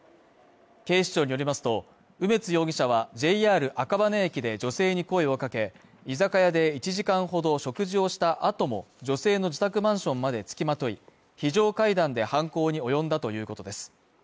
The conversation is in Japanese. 警視庁によりますと、梅津容疑者は、ＪＲ赤羽駅で女性に声をかけ、居酒屋で一時間ほど食事をした後も、女性の自宅マンションまでつきまとい、非常階段で犯行に及んだということです。